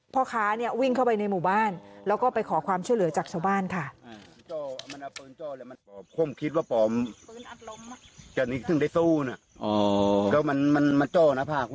พ่อค้าเนี่ยวิ่งเข้าไปในหมู่บ้านแล้วก็ไปขอความช่วยเหลือจากชาวบ้านค่ะ